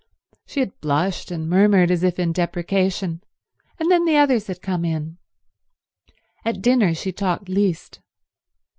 She had blushed, and murmured as if in deprecation, and then the others had come in. At dinner she talked least.